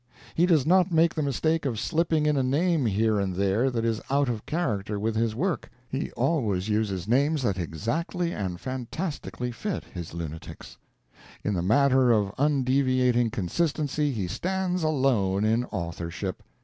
He does not make the mistake of slipping in a name here and there that is out of character with his work; he always uses names that exactly and fantastically fit his lunatics. In the matter of undeviating consistency he stands alone in authorship.